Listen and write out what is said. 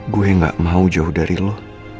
gue gak mau jauh dari lo